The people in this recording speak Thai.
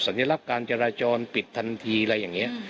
สัญลักษณ์การจราจรปิดทันทีอะไรอย่างนี้